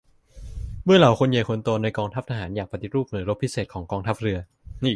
เมื่อเหล่าคนใหญ่คนโตในกองทัพทหารอยากปฏิรูปหน่วยรบพิเศษของกองทัพเรือ